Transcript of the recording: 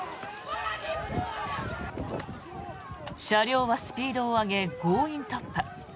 車両はスピードを上げ強引突破。